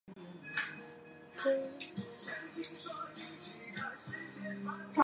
尖尾银鳞蛛为肖峭科银鳞蛛属的动物。